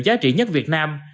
giá trị nhất việt nam